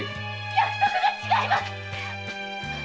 約束が違います‼